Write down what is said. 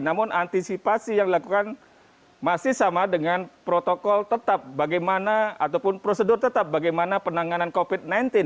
namun antisipasi yang dilakukan masih sama dengan protokol tetap bagaimana ataupun prosedur tetap bagaimana penanganan covid sembilan belas